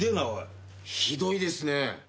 ひどいですね。